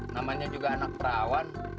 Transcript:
namanya juga anak perawan